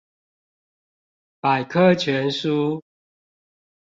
百科全書